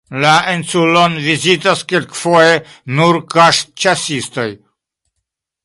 La insulon vizitas kelkfoje nur kaŝ-ĉasistoj.